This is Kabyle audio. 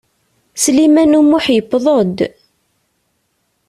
Sliman U Muḥ yewweḍ-d.